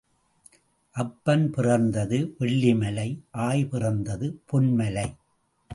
அப்பன் பிறந்தது வெள்ளிமலை ஆய் பிறந்தது பொன்மலை.